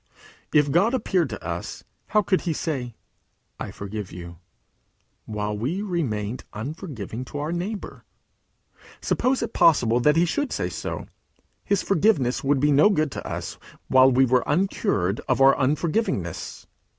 If God appeared to us, how could he say, "I forgive you," while we remained unforgiving to our neighbour? Suppose it possible that he should say so, his forgiveness would be no good to us while we were uncured of our unforgivingness.